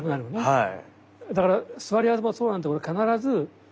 はい。